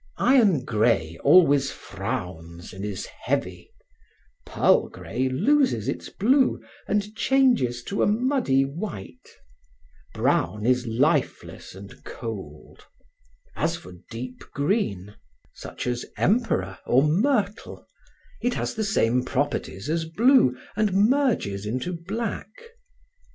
Iron grey always frowns and is heavy; pearl grey loses its blue and changes to a muddy white; brown is lifeless and cold; as for deep green, such as emperor or myrtle, it has the same properties as blue and merges into black.